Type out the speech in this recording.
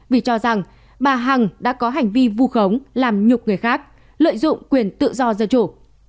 vì cho rằng bà hằng đã có hành vi vu khống làm nhục người khác lợi dụng quyền tự do dân chủ